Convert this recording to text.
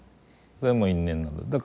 それはもう因縁なんだ。